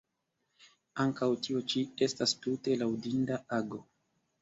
Ankaŭ tio ĉi estas tute laŭdinda ago.